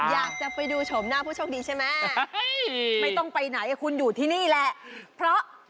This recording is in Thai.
อยากจะไปดูชมหน้าผู้โชคดีใช่ไหมไม่ต้องไปไหนคุณอยู่ที่นี่แหละเพราะ